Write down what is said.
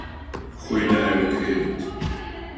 خۆی لە ئاوێنەکە دیت.